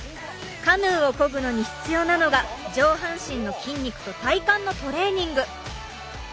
カヌーをこぐのに必要なのが上半身の筋肉と体幹のトレーニング。